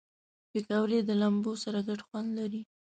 پکورې د لمبو سره ګډ خوند لري